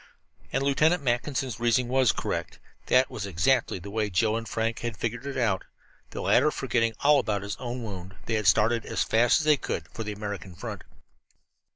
And Lieutenant Mackinson's reasoning was correct. That was exactly the way Joe and Frank had figured it out, and, the latter forgetting all about his own wound, they had started as fast as they could for the American front.